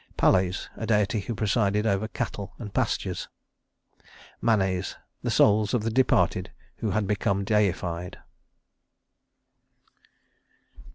Pales, a deity who presided over cattle and pastures. Manes, the souls of the departed who had become deified.